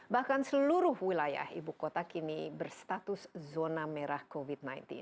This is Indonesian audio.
bahkan seluruh wilayah ibu kota kini berstatus zona merah covid sembilan belas